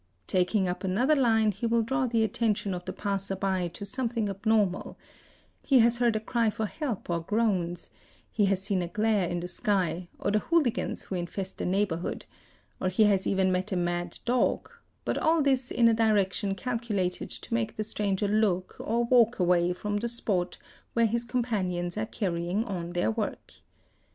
'Taking up another line he will draw the attention of the passer by to something abnormal; he has heard a cry for help or groans, he has seen a glare in the sky, or the hooligans who infest the neighbourhood, or he has even met a mad dog, but all this in a direction || calculated to make the stranger look or walk away from the spot where ; his companions are carrying on their work.